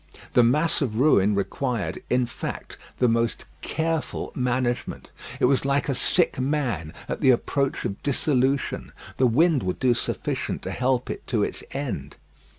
The mass of ruin required, in fact, the most careful management. It was like a sick man at the approach of dissolution. The wind would do sufficient to help it to its end.